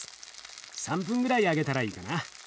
３分ぐらい揚げたらいいかな。